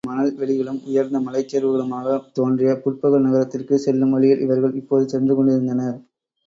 கான்யாறுகளும் மணல் வெளிகளும் உயர்ந்த மலைச்சரிவுகளுமாகத் தோன்றிய புட்பக நகரத்திற்குச் செல்லும் வழியில் அவர்கள் இப்போது சென்று கொண்டிருந்தனர்.